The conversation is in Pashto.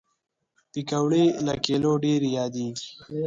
پکورې له کلیو ډېر یادېږي